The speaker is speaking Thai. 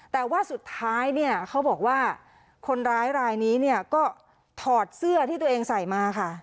แต่ว่าสุดท้ายเนี่ยเขาบอกว่าคนร้ายรายนี้เนี่ยก็ถอดเสื้อที่ตัวเองใส่มาค่ะ